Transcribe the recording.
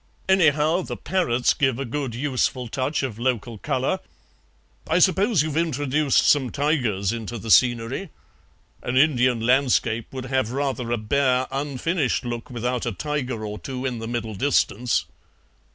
Anyhow, the parrots give a good useful touch of local colour. I suppose you've introduced some tigers into the scenery? An Indian landscape would have rather a bare, unfinished look without a tiger or two in the middle distance."